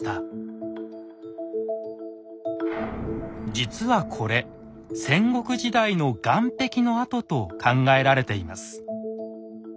実はこれ戦国時代の岸壁の跡と考えられています。